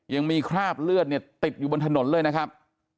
ยังมีคราบเลือดเนี่ยติดอยู่บนถนนเลยนะครับ